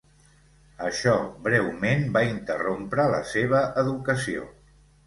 Això breument va interrompre la seva educació.